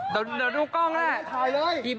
เดี๋ยวดูกล้องแหละ